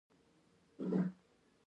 د سړي سر عاید خبره له پامه وغورځول شوه.